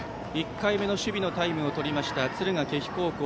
１回目の守備のタイムを取りました、敦賀気比高校。